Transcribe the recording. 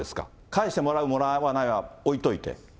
返してもらうかもらわないは置いといて。